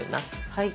はい。